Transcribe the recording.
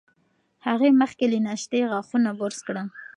هغه مخکې له ناشتې غاښونه برس کړل.